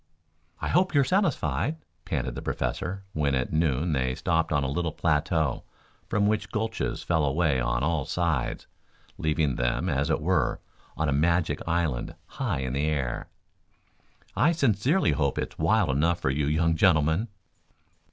"I hope you are satisfied," panted the Professor when at noon they stopped on a little plateau from which gulches fell away on all sides, leaving them, as it were, on a magic island high in the air. "I sincerely hope it is wild enough for you young gentlemen."